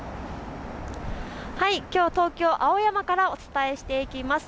きょう東京青山からお伝えしていきます。